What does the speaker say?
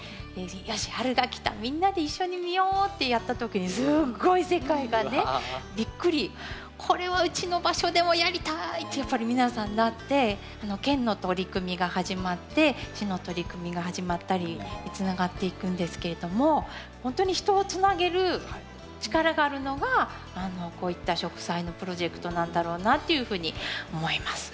「よし春が来たみんなで一緒に見よう」ってやった時にすごい世界がねびっくりこれはうちの場所でもやりたいってやっぱり皆さんなって県の取り組みが始まって市の取り組みが始まったりつながっていくんですけれどもほんとに人をつなげる力があるのがこういった植栽のプロジェクトなんだろうなっていうふうに思います。